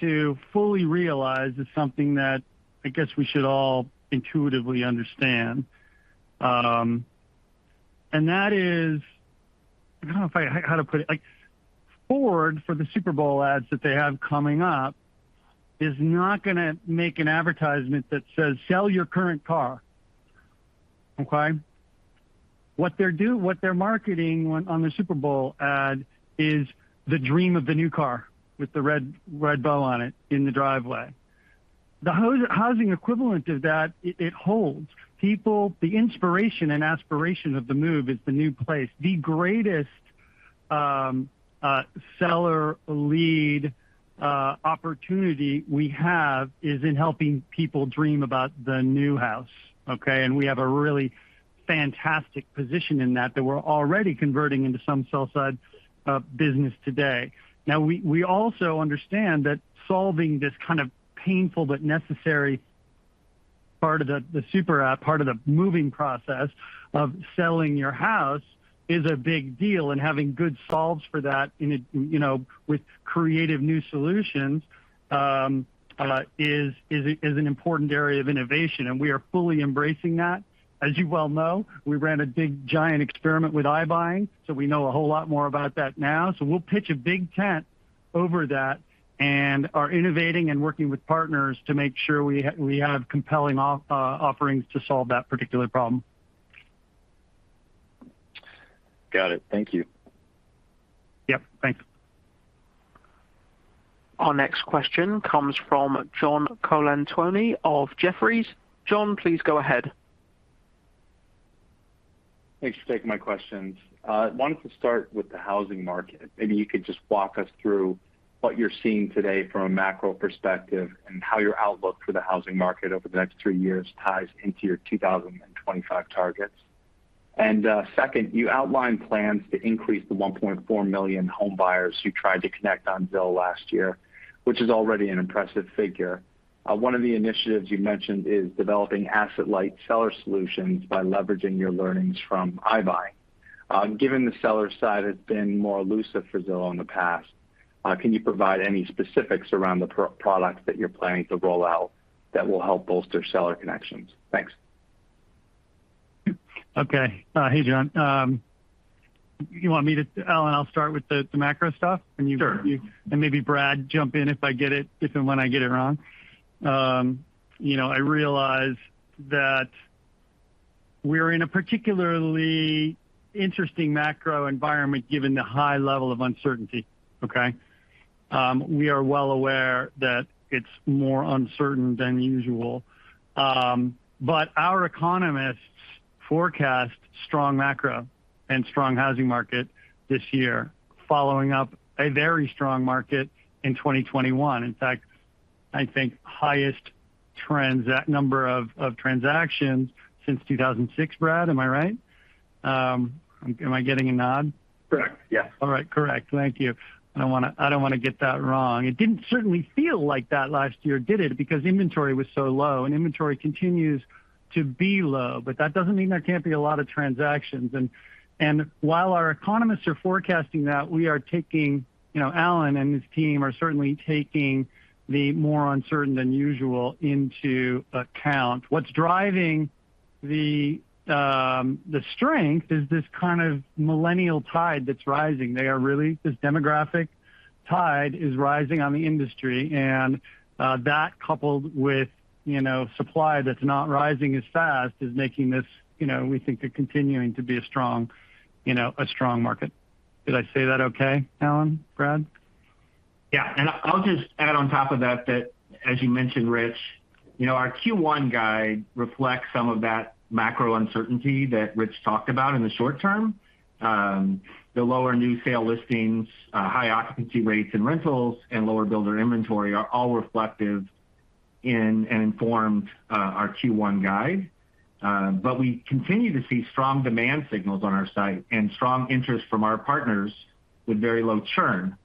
to fully realize is something that I guess we should all intuitively understand. That is I don't know how to put it. Like, Ford, for the Super Bowl ads that they have coming up, is not gonna make an advertisement that says, "Sell your current car." Okay? What they're marketing on the Super Bowl ad is the dream of the new car with the red bow on it in the driveway. The housing equivalent of that, it holds. The inspiration and aspiration of the move is the new place. The greatest seller lead opportunity we have is in helping people dream about the new house, okay? We have a really fantastic position in that that we're already converting into some sell-side business today. Now, we also understand that solving this kind of painful but necessary part of the super app part of the moving process of selling your house is a big deal, and having good solves for that you know with creative new solutions is an important area of innovation, and we are fully embracing that. As you well know, we ran a big giant experiment with iBuying, so we know a whole lot more about that now. We'll pitch a big tent over that and are innovating and working with partners to make sure we have compelling offerings to solve that particular problem.
Got it. Thank you.
Yep. Thanks.
Our next question comes from John Colantuoni of Jefferies. John, please go ahead.
Thanks for taking my questions. Wanted to start with the housing market. Maybe you could just walk us through what you're seeing today from a macro perspective and how your outlook for the housing market over the next three years ties into your 2025 targets. Second, you outlined plans to increase the 1.4 million home buyers who tried to connect on Zillow last year, which is already an impressive figure. One of the initiatives you mentioned is developing asset-light seller solutions by leveraging your learnings from iBuying. Given the seller side has been more elusive for Zillow in the past, can you provide any specifics around the products that you're planning to roll out that will help bolster seller connections? Thanks.
Okay. Hey, John. Allen, I'll start with the macro stuff, and you-
Sure.
Maybe Brad jump in if I get it, if and when I get it wrong. You know, I realize that we're in a particularly interesting macro environment given the high level of uncertainty. Okay? We are well aware that it's more uncertain than usual. Our economists forecast strong macro and strong housing market this year, following up a very strong market in 2021. In fact, I think highest number of transactions since 2006, Brad. Am I right? Am I getting a nod?
Correct. Yes.
All right. Correct. Thank you. I don't wanna get that wrong. It certainly didn't feel like that last year, did it? Because inventory was so low, and inventory continues to be low, but that doesn't mean there can't be a lot of transactions. While our economists are forecasting that, Allen and his team are certainly taking more uncertainty than usual into account. What's driving the strength is this kind of millennial tide that's rising. They are really this demographic tide is rising on the industry, and that coupled with, you know, supply that's not rising as fast is making this, you know, we think they're continuing to be a strong market. Did I say that okay, Allen, Brad?
I'll just add on top of that, as you mentioned, Rich, you know, our Q1 guide reflects some of that macro uncertainty that Rich talked about in the short term. The lower new sale listings, high occupancy rates and rentals, and lower builder inventory are all reflective in and informed our Q1 guide. But we continue to see strong demand signals on our site and strong interest from our partners with very low churn.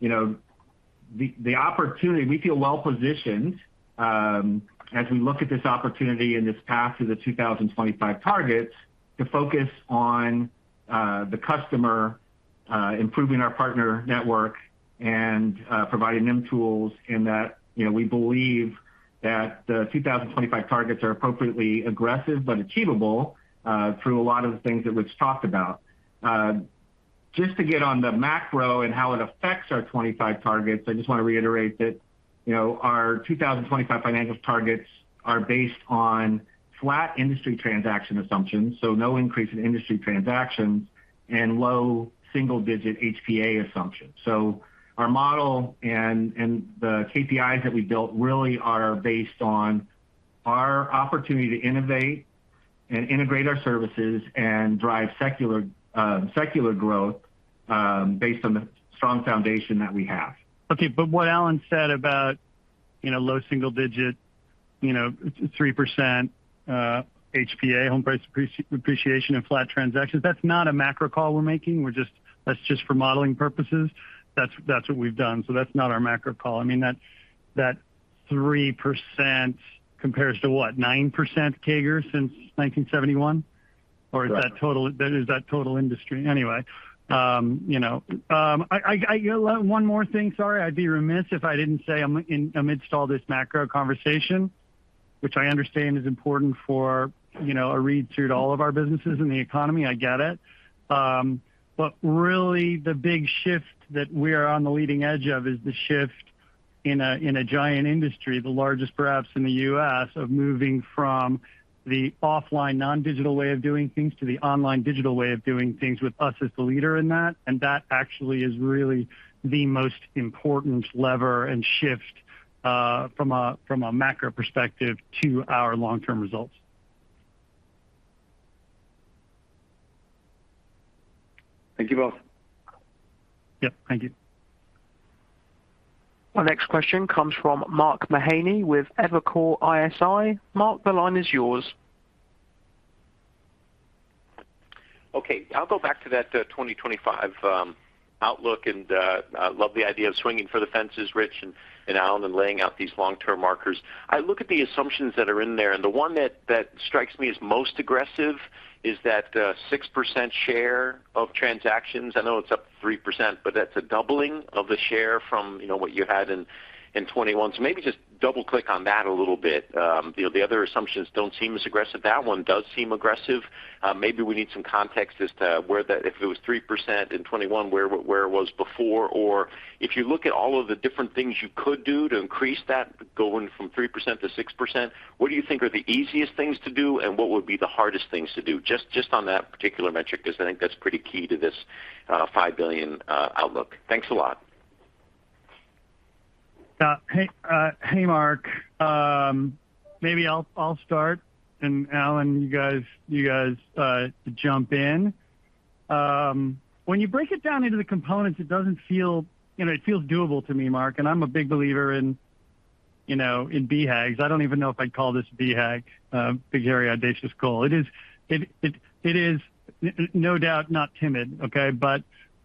You know, the opportunity, we feel well-positioned as we look at this opportunity and this path to the 2025 targets to focus on the customer, improving our partner network and providing them tools in that. You know, we believe that the 2025 targets are appropriately aggressive but achievable through a lot of the things that Rich talked about. Just to get on the macro and how it affects our 2025 targets, I just want to reiterate that, you know, our 2025 financial targets are based on flat industry transaction assumptions, so no increase in industry transactions and low single-digit HPA assumptions. Our model and the KPIs that we built really are based on our opportunity to innovate and integrate our services and drive secular growth based on the strong foundation that we have.
Okay. What Allen said about, you know, low single digit, you know, 3%, HPA, home price appreciation and flat transactions, that's not a macro call we're making. That's just for modeling purposes. That's what we've done. That's not our macro call. I mean, that 3% compares to what? 9% CAGR since 1971?
Right.
Is that total industry? Anyway, you know. One more thing. Sorry. I'd be remiss if I didn't say in the midst of all this macro conversation, which I understand is important for a read-through to all of our businesses in the economy. I get it. Really the big shift that we are on the leading edge of is the shift in a giant industry, the largest perhaps in the U.S., of moving from the offline non-digital way of doing things to the online digital way of doing things with us as the leader in that. That actually is really the most important lever and shift from a macro perspective to our long-term results.
Thank you both.
Yep. Thank you.
Our next question comes from Mark Mahaney with Evercore ISI. Mark, the line is yours.
Okay. I'll go back to that 2025 outlook and I love the idea of swinging for the fences, Rich and Allen, and laying out these long-term markers. I look at the assumptions that are in there, and the one that strikes me as most aggressive is that 6% share of transactions. I know it's up 3%, but that's a doubling of the share from, you know, what you had in 2021. Maybe just double-click on that a little bit. You know, the other assumptions don't seem as aggressive. That one does seem aggressive. Maybe we need some context as to where the... If it was 3% in 2021, where it was before, or if you look at all of the different things you could do to increase that, going from 3% to 6%, what do you think are the easiest things to do, and what would be the hardest things to do? Just on that particular metric, because I think that's pretty key to this $5 billion outlook. Thanks a lot.
Hey, Mark. Maybe I'll start, and Allen, you guys jump in. When you break it down into the components, it doesn't feel. You know, it feels doable to me, Mark, and I'm a big believer in, you know, in BHAGs. I don't even know if I'd call this BHAG, big, hairy, audacious goal. It is no doubt not timid, okay? You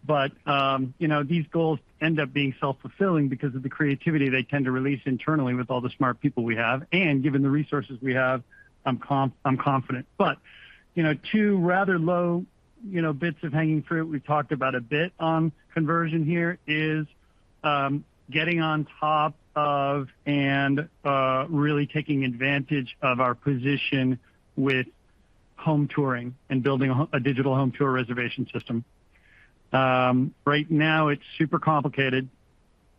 know, these goals end up being self-fulfilling because of the creativity they tend to release internally with all the smart people we have. Given the resources we have, I'm confident. You know, two rather low-hanging fruit we talked about a bit on conversion here is getting on top of and really taking advantage of our position with home touring and building a digital home tour reservation system. Right now it's super complicated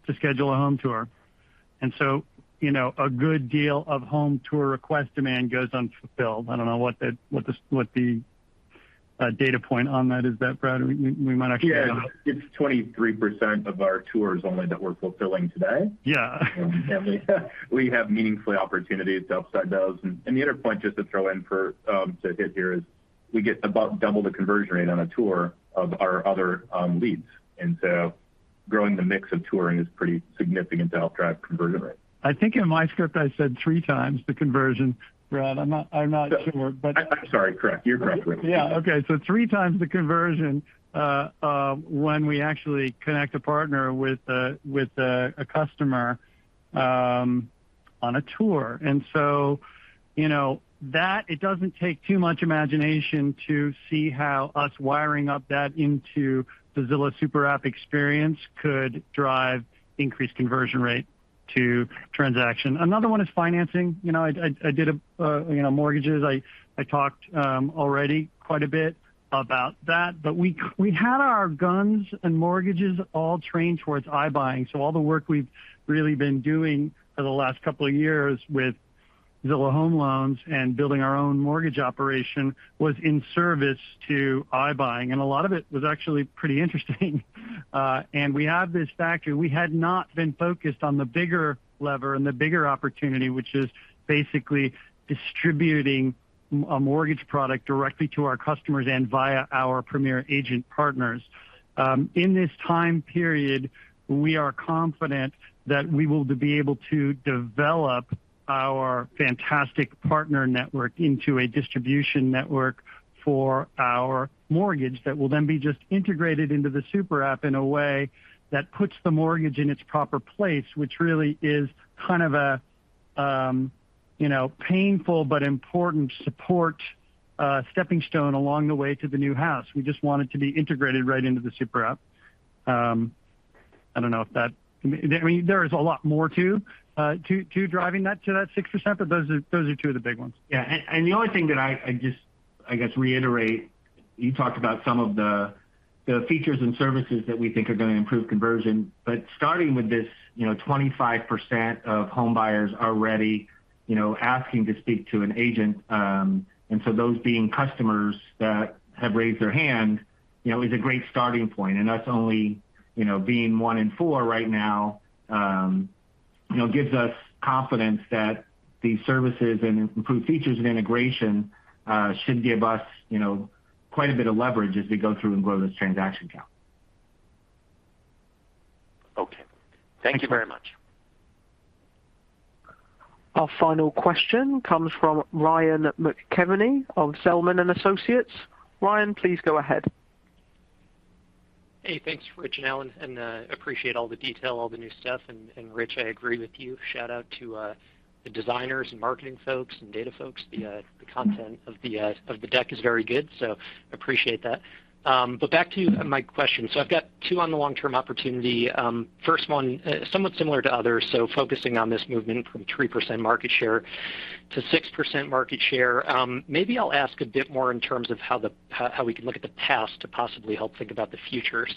to schedule a home tour. You know, a good deal of home tour request demand goes unfulfilled. I don't know what the data point on that is there, Brad. We might actually know.
Yeah. It's 23% of our tours only that we're fulfilling today.
Yeah.
We have meaningful opportunities to upside those. The other point just to throw in for, to hit here is we get about double the conversion rate on a tour of our other leads. Growing the mix of touring is pretty significant to help drive conversion rate.
I think in my script I said three times the conversion, Brad. I'm not sure.
I'm sorry. Correct. You're correct, Rich.
Three times the conversion when we actually connect a partner with a customer on a tour. You know, it doesn't take too much imagination to see how us wiring up that into the Zillow super app experience could drive increased conversion rate to transaction. Another one is financing. You know, I did mortgages. I talked already quite a bit about that, but we had our guns on mortgages all trained towards iBuying. All the work we've really been doing for the last couple of years with Zillow Home Loans and building our own mortgage operation was in service to iBuying. A lot of it was actually pretty interesting. We have this factor. We had not been focused on the bigger lever and the bigger opportunity, which is basically distributing a mortgage product directly to our customers and via our Premier Agent partners. In this time period, we are confident that we will be able to develop our fantastic partner network into a distribution network for our mortgage that will then be just integrated into the super app in a way that puts the mortgage in its proper place, which really is kind of a, you know, painful but important support, stepping stone along the way to the new house. We just want it to be integrated right into the super app. I don't know if that. I mean, there is a lot more to driving that to that 6%, but those are two of the big ones.
Yeah. The only thing that I just, I guess, reiterate, you talked about some of the features and services that we think are gonna improve conversion. Starting with this, you know, 25% of home buyers already, you know, asking to speak to an agent, and so those being customers that have raised their hand, you know, is a great starting point. That's only, you know, being 1 in 4 right now, you know, gives us confidence that these services and improved features and integration should give us, you know, quite a bit of leverage as we go through and grow this transaction count.
Okay. Thank you very much.
Our final question comes from Ryan McKeveny of Zelman & Associates. Ryan, please go ahead.
Hey, thanks, Rich and Allen, and appreciate all the detail, all the new stuff. Rich, I agree with you. Shout out to the designers and marketing folks and data folks. The content of the deck is very good, so appreciate that. Back to my question. I've got two on the long-term opportunity. First one, somewhat similar to others, focusing on this movement from 3% market share to 6% market share. Maybe I'll ask a bit more in terms of how we can look at the past to possibly help think about the future.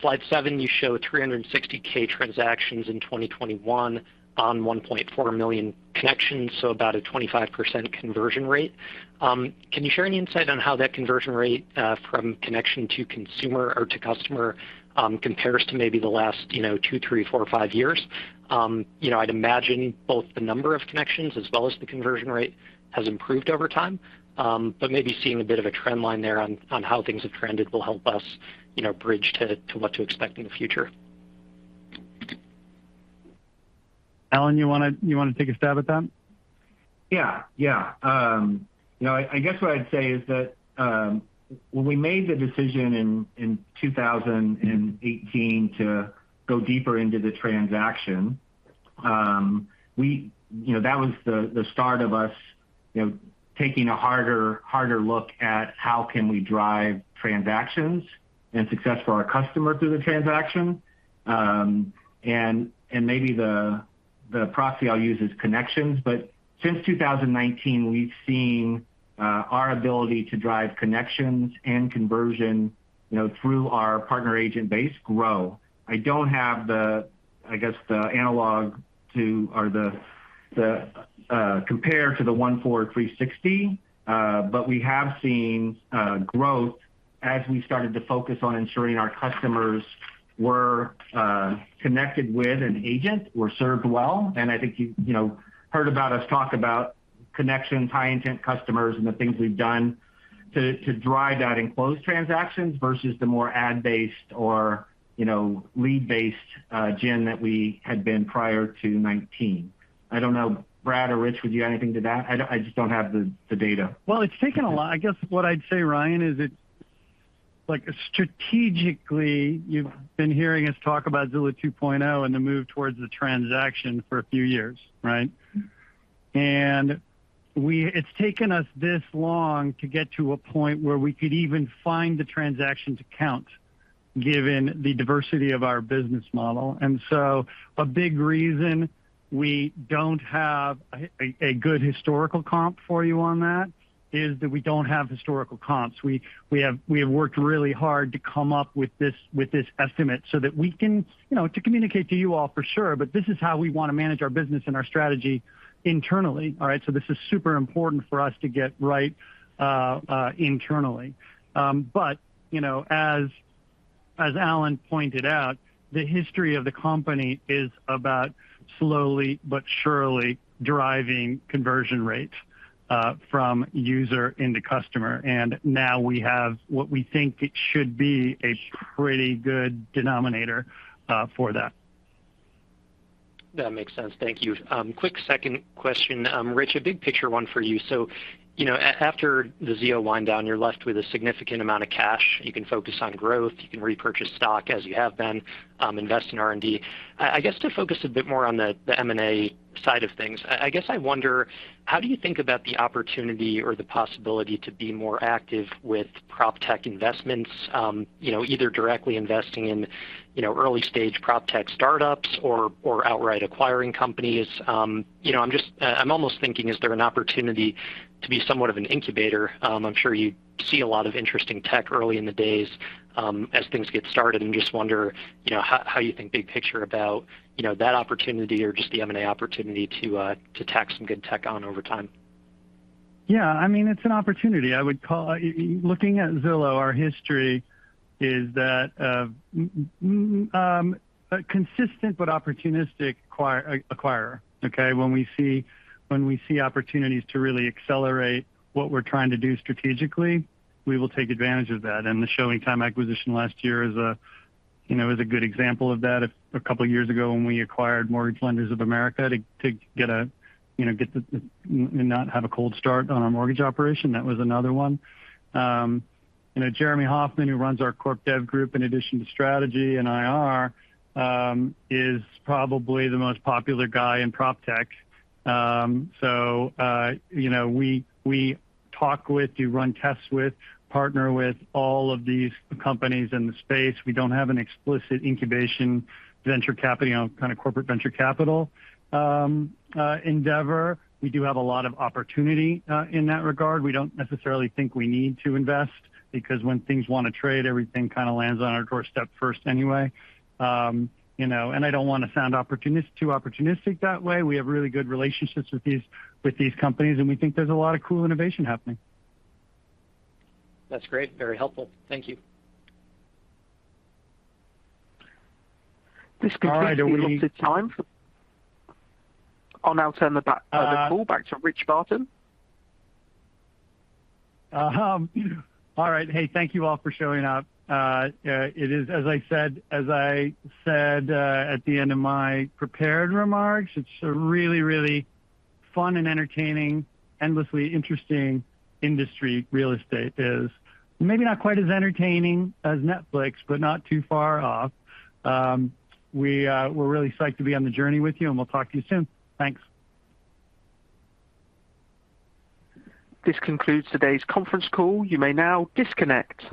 Slide 7, you show 360k transactions in 2021 on 1.4 million connections, so about a 25% conversion rate. Can you share any insight on how that conversion rate from connection to consumer or to customer compares to maybe the last, you know, two, three, four, five years? You know, I'd imagine both the number of connections as well as the conversion rate has improved over time. But maybe seeing a bit of a trend line there on how things have trended will help us, you know, bridge to what to expect in the future.
Allen, you wanna take a stab at that?
I guess what I'd say is that when we made the decision in 2018 to go deeper into the transaction, you know, that was the start of us, you know, taking a harder look at how can we drive transactions and success for our customer through the transaction. And maybe the proxy I'll use is connections. Since 2019, we've seen our ability to drive connections and conversion, you know, through our partner agent base grow. I don't have the analog to or the compare to the 14360, but we have seen growth as we started to focus on ensuring our customers were connected with an agent, were served well. I think you've, you know, heard about us talk about connection, high-intent customers, and the things we've done to drive that in closed transactions versus the more ad-based or, you know, lead-based gen that we had been prior to 2019. I don't know, Brad or Rich, would you add anything to that? I just don't have the data.
Well, it's taken a lot. I guess what I'd say, Ryan, is. Like, strategically, you've been hearing us talk about Zillow 2.0 and the move towards the transaction for a few years, right? It's taken us this long to get to a point where we could even find the transaction to count, given the diversity of our business model. A big reason we don't have a good historical comp for you on that is that we don't have historical comps. We have worked really hard to come up with this estimate so that we can, you know, communicate to you all for sure, but this is how we wanna manage our business and our strategy internally, all right? This is super important for us to get right internally. You know, as Allen pointed out, the history of the company is about slowly but surely driving conversion rates from user into customer. Now we have what we think it should be a pretty good denominator for that.
That makes sense. Thank you. Quick second question. Rich, a big picture one for you. So, you know, after the Zillow Offers wind down, you're left with a significant amount of cash. You can focus on growth. You can repurchase stock as you have been, invest in R&D. I guess to focus a bit more on the M&A side of things. I guess I wonder how do you think about the opportunity or the possibility to be more active with proptech investments, you know, either directly investing in, you know, early stage proptech startups or outright acquiring companies? You know, I'm almost thinking, is there an opportunity to be somewhat of an incubator? I'm sure you see a lot of interesting tech early in the days, as things get started and just wonder, you know, how you think big picture about, you know, that opportunity or just the M&A opportunity to tack some good tech on over time.
Yeah. I mean, it's an opportunity. I would call looking at Zillow, our history is that of a consistent but opportunistic acquirer, okay? When we see opportunities to really accelerate what we're trying to do strategically, we will take advantage of that, and the ShowingTime acquisition last year is a good example of that. A couple of years ago when we acquired Mortgage Lenders of America to not have a cold start on our mortgage operation, that was another one. You know, Jeremy Hofmann, who runs our corp dev group in addition to strategy and IR, is probably the most popular guy in proptech. So, we talk with, run tests with, partner with all of these companies in the space. We don't have an explicit incubation venture capital, you know, kind of corporate venture capital endeavor. We do have a lot of opportunity in that regard. We don't necessarily think we need to invest because when things want to trade, everything kind of lands on our doorstep first anyway. You know, I don't want to sound too opportunistic that way. We have really good relationships with these companies, and we think there's a lot of cool innovation happening.
That's great. Very helpful. Thank you.
All right.
This concludes the allotted time for. I'll now turn it back.
Uh-
Hand the call back to Rich Barton.
All right. Hey, thank you all for showing up. It is, as I said, at the end of my prepared remarks, it's a really, really fun and entertaining, endlessly interesting industry real estate is. Maybe not quite as entertaining as Netflix, but not too far off. We're really psyched to be on the journey with you, and we'll talk to you soon. Thanks.
This concludes today's conference call. You may now disconnect.